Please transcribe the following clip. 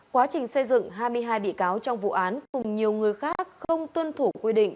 quá trình xây dựng hai mươi hai bị cáo trong vụ án cùng nhiều người khác không tuân thủ quy định